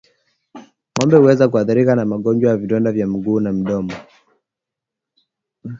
Ngombe huweza kuathirika na magonjwa ya vidonda vya miguu na midomo